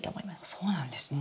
そうなんですね。